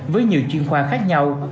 với nhiều chuyên khoa khác nhau